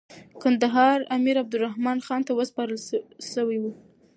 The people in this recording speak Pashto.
کندهار امیر عبدالرحمن خان ته سپارل سوی وو.